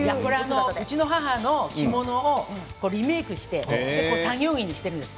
うちの母の着物をリメークして作業着にしているんです。